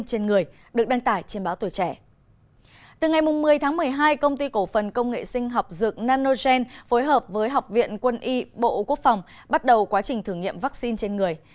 từ ngày một mươi tháng một mươi hai công ty cổ phần công nghệ sinh học dược nanogen phối hợp với học viện quân y bộ quốc phòng bắt đầu quá trình thử nghiệm vaccine trên người